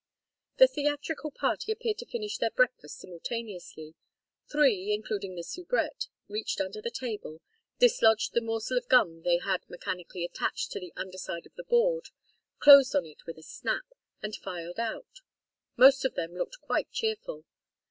The theatrical party appeared to finish their breakfast simultaneously. Three, including the soubrette, reached under the table, dislodged the morsel of gum they had mechanically attached to the under side of the board, closed on it with a snap, and filed out. Most of them looked quite cheerful.